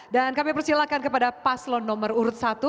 dan kami persilahkan kepada paslon nomor urut satu